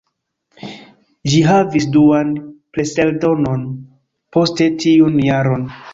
Ĝi havis duan preseldonon poste tiun jaron.